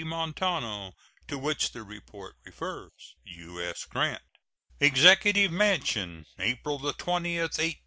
Montano, to which the report refers. U.S. GRANT. EXECUTIVE MANSION, April 20, 1870.